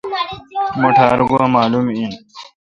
مٹھ ار گوا معلوم این۔